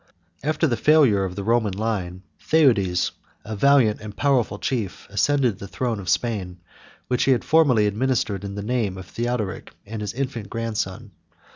After the failure of the royal line, Theudes, a valiant and powerful chief, ascended the throne of Spain, which he had formerly administered in the name of Theodoric and his infant grandson.